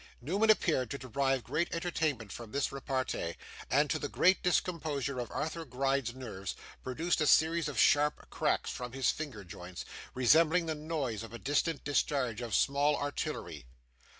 Newman appeared to derive great entertainment from this repartee, and to the great discomposure of Arthur Gride's nerves, produced a series of sharp cracks from his finger joints, resembling the noise of a distant discharge of small artillery.